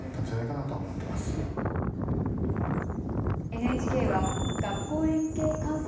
ＮＨＫは学校連携観戦